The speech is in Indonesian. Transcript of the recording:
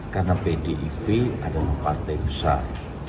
karena pdip adalah partai besar